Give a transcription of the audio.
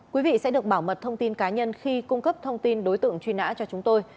quý vị sẽ được bảo mật thông tin cá nhân khi cung cấp thông tin đối tượng truy nã cho chúng tôi